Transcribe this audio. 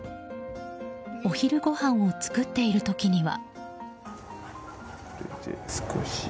お昼ごはんを作っている時には。